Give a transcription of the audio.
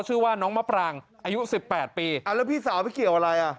ชื่อว่าน้องมะปรางอายุสิบแปดปีอ่าแล้วพี่สาวไปเกี่ยวอะไรอ่ะ